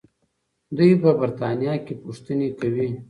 دوی په برتانیا کې پوښتنې کوي.